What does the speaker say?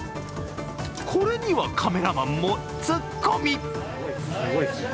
これには、カメラマンもツッコミ。